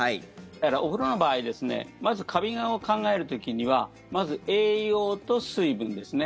お風呂の場合まずカビを考える時にはまず、栄養と水分ですね。